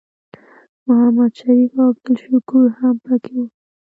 محمد شریف او عبدالشکور هم پکې وو.